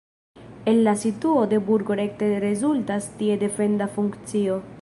El la situo de burgo rekte rezultas ties defenda funkcio.